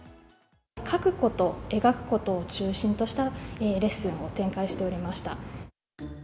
書くこと、描くことを中心としたレッスンを展開しておりました。